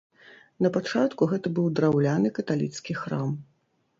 Напачатку гэта быў драўляны каталіцкі храм.